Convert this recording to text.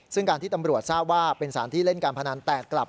ซึ่งการที่ตำรวจทราบว่าเป็นสารที่เล่นการพนันแตกกลับ